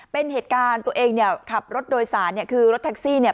เป็นเหตุการณ์ตัวเองเนี่ยขับรถโดยสารเนี่ยคือรถแท็กซี่เนี่ย